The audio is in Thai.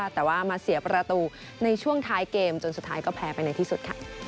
แต่ว่ามาเสียประตูในช่วงท้ายเกมจนสุดท้ายก็แพ้ไปในที่สุด